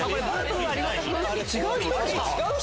違う人？